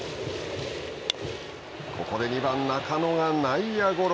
ここで２番中野が内野ゴロ。